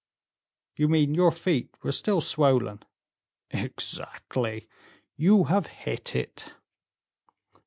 "You mean your feet were still swollen?" "Exactly; you have hit it."